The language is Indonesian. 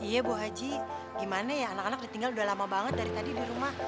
iya bu haji gimana ya anak anak ditinggal udah lama banget dari tadi di rumah